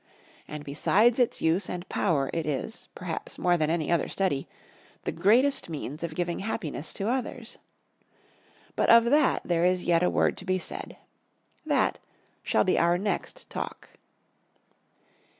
And besides its use and power it is, perhaps more than any other study, the greatest means of giving happiness to others. But of that there is yet a word to be said. That shall be our next Talk.